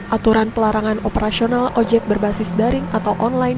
aturan pelarangan operasional ojek berbasis daring atau online